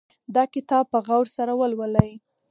دا کتاب په غور سره ولولئ